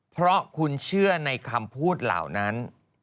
เพราะคุณเชื่อในคำพูดเหล่านั้น